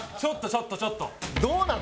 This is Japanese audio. ちょっとちょっと！